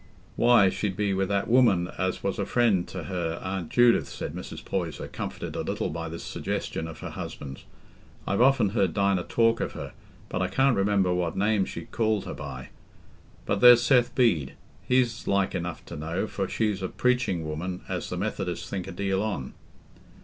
"Why, she'd be wi' that woman as was a friend t' her Aunt Judith," said Mrs. Poyser, comforted a little by this suggestion of her husband. "I've often heard Dinah talk of her, but I can't remember what name she called her by. But there's Seth Bede; he's like enough to know, for she's a preaching woman as the Methodists think a deal on."